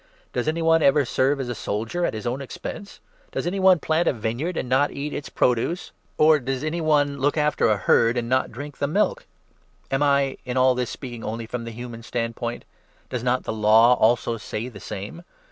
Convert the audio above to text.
Does any one ever serve as a soldier at his own expense ? Does 7 any one plant a vineyard and not eat its produce ? Or does I. CORINTHIANS, 9. 319 any one look after a herd and not drink the milk ? Am 8 I, in all this, speaking only from the human standpoint ? Does not the Law also say the same